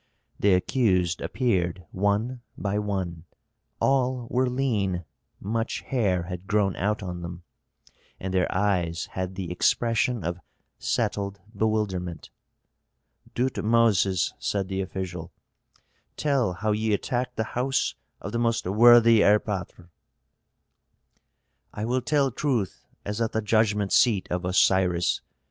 The accused appeared one by one. All were lean; much hair had grown out on them, and their eyes had the expression of settled bewilderment. "Dutmoses," said the official, "tell how ye attacked the house of the most worthy erpatr." "I will tell truth, as at the judgment seat of Osiris.